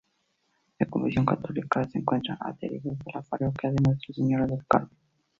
De confesión católica, se encuentran adheridos a la Parroquia de Nuestra Señora del Carmen